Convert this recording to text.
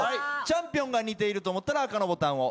チャンピオンが似ていると思ったら赤のボタンを。